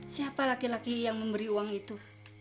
siapa laki laki yang memberi uang itu